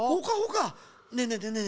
ねえねえねえねえ。